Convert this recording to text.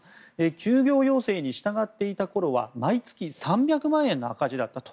休業要請に従っていた頃は毎月３００万円の赤字だったと。